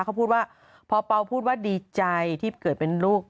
เขาพูดว่าพอเปล่าพูดว่าดีใจที่เกิดเป็นลูก